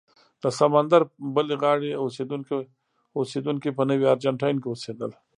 د سمندر بلې غاړې اوسېدونکي په نوي ارجنټاین کې اوسېدل.